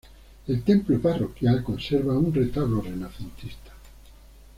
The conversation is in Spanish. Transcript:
El templo parroquial conserva un retablo renacentista.